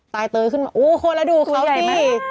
ตายเตยขึ้นมาโอ้โฮแล้วดูเขาสิ